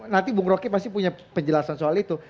nanti bung roky pasti punya penjelasan soal itu